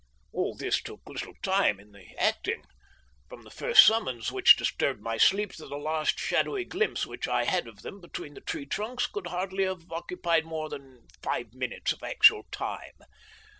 "All this took little time in the acting. From the first summons which disturbed my sleep to the last shadowy glimpse which I had of them between the tree trunks could hardly have occupied more than five minutes of actual time.